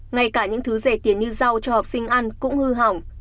ngay cả những thứ rẻ tiền như rau cho học sinh ăn cũng hư hỏng